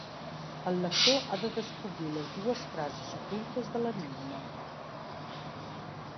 El lector ha de descobrir les dues frases ocultes de l'enigma.